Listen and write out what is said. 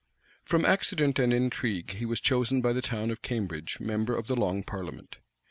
From accident and intrigue he was chosen by the town of Cambridge member of the long parliament.